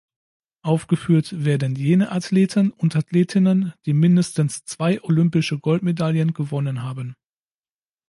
Aufgeführt werden jene Athleten und Athletinnen, die mindestens zwei olympische Goldmedaillen gewonnen haben.